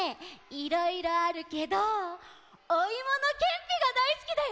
いろいろあるけどおいものけんぴがだいすきだよ！